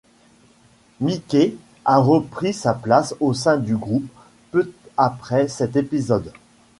Mikey a repris sa place au sein du groupe peu après cet épisode.